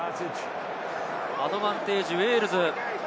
アドバンテージ、ウェールズ。